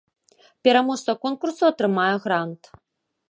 Пераможца конкурсу атрымае грант.